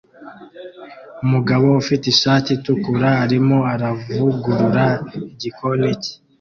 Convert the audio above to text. Umugabo ufite ishati itukura arimo aravugurura igikoni cye